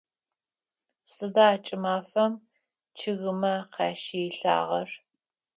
Сыда кӏымафэм чъыгымэ къащилъагъэр?